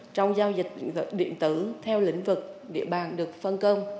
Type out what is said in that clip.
trong giao dịch điện tử theo lĩnh vực địa bàn được phân công